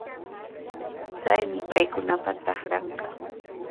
Chaymi paykunapa trakranqa.